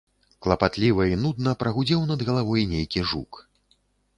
Клапатліва і нудна прагудзеў над галавой нейкі жук.